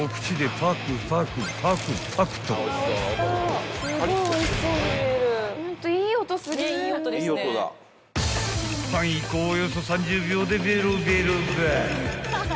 ［パン１個およそ３０秒でべろべろば］